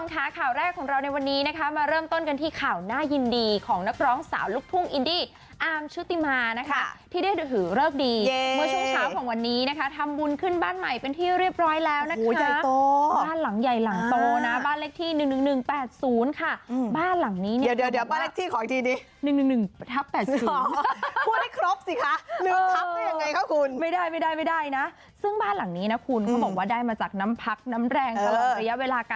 ค่ะข่าวแรกของเราในวันนี้นะคะมาเริ่มต้นกันที่ข่าวหน้ายินดีของนักร้องสาวลูกทุ่งอินดี้อาร์มชุติมานะคะที่ได้ถือหรือเลิกดีเย้เมื่อชมเช้าของวันนี้นะคะทำบุญขึ้นบ้านใหม่เป็นที่เรียบร้อยแล้วนะคะโหใหญ่โตบ้านหลังใหญ่หลังโตนะบ้านเลขที่หนึ่งหนึ่งหนึ่งแปดศูนย์ค่ะอืมบ้านหลังนี้เนี่ยเดี๋ยวเดี